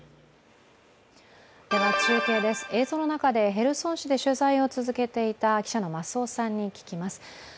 中継です、映像の中でヘルソン市で取材を続けていた記者の増尾さんに聞きます。